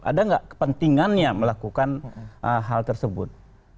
ada nggak kepentingannya melakukan hal tersebut